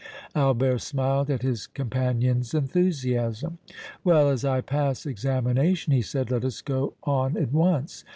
Albert smiled at his companion's enthusiasm. "Well, as I pass examination," he said, "let us go on at once.